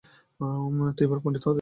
তুমি এবার পন্ডিত হতে চাচ্ছো।